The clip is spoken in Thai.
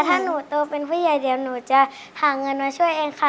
ถ้าหนูโตเป็นผู้ใหญ่เดี๋ยวหนูจะหาเงินมาช่วยเองค่ะ